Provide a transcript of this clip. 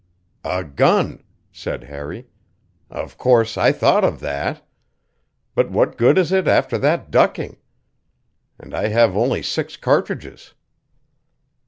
"A gun," said Harry. "Of course I thought of that. But what good is it after that ducking? And I have only six cartridges."